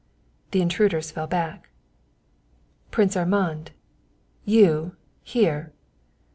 The intruders fell back. "Prince Armand you here!"